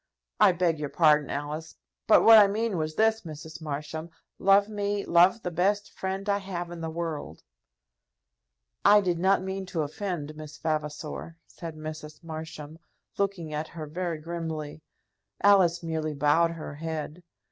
I beg your pardon, Alice; but what I meant was this, Mrs. Marsham; Love me, love the best friend I have in the world." "I did not mean to offend Miss Vavasor," said Mrs. Marsham, looking at her very grimly. Alice merely bowed her head.